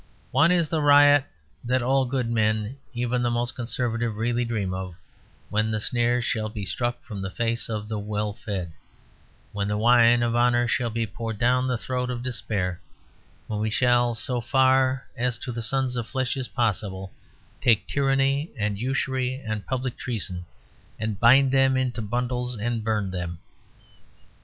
One is the riot that all good men, even the most conservative, really dream of, when the sneer shall be struck from the face of the well fed; when the wine of honour shall be poured down the throat of despair; when we shall, so far as to the sons of flesh is possible, take tyranny and usury and public treason and bind them into bundles and burn them.